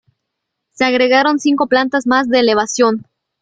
Se agregaron cinco plantas más de elevación.